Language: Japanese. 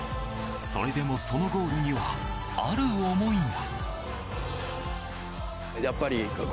それでも、そのゴールにはある思いが。